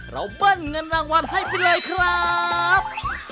เบิ้ลเงินรางวัลให้ไปเลยครับ